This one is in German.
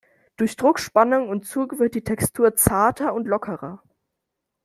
Durch Druck, Spannung und Zug wird die Textur zarter und lockerer.